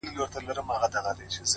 پوه انسان د پوښتنې له ارزښته خبر وي